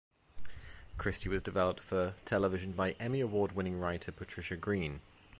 Christy was developed for television by Emmy Award winning writer Patricia Green.